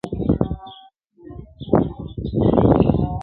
قبرکن به دي په ګورکړي د لمر وړانګي به ځلیږي.!